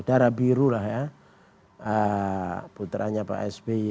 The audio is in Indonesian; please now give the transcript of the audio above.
darah biru lah ya putranya pak sby